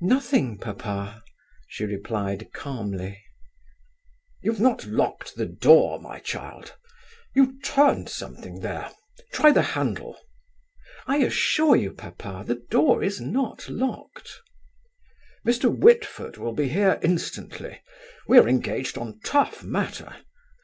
"Nothing, papa," she replied, calmly. "You've not locked the door, my child? You turned something there: try the handle." "I assure you, papa, the door is not locked." "Mr. Whitford will be here instantly. We are engaged on tough matter.